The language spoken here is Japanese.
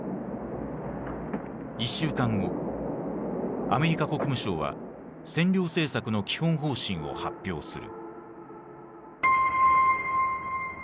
１週間後アメリカ国務省は占領政策の基本方針を発表する。